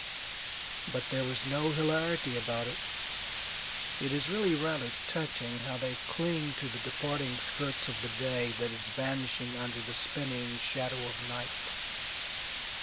But there was no hilarity about it. It is really rather touching how they cling to the departing skirts of the day that is vanishing under the spinning shadow of night.